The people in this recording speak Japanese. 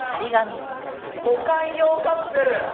「保管用カプセル」！